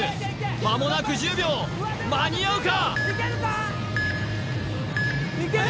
間もなく１０秒間に合うか？